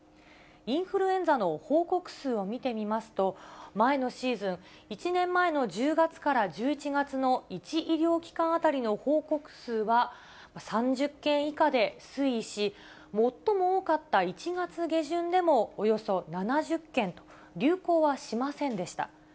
インフルエンザの報告数を見てみますと、前のシーズン、１年前の１０月から１１月の１医療機関当たりの報告数は３０件以下で推移し、最も多かった１月下旬でもおよそ７０件と、流行はしませんでした。